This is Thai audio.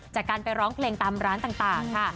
จากการไปร้องเพลงตามร้านต่างค่ะ